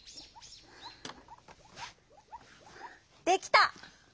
できた！